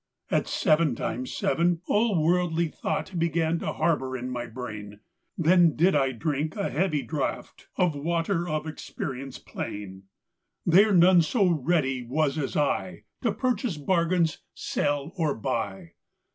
At seven times seven all worldly thought Began to harbour in my brain; Then did I drink a heavy draught Of water of experience plain; There none so ready was as I, To purchase bargains, sell, or buy.